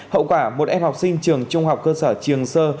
hậu quả một em học sinh trường trung học cơ sở triềng sơ